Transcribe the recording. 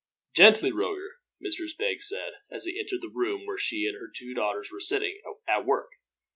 "Gently, Roger," Mistress Beggs said, as he entered the room where she and her two daughters were sitting, at work.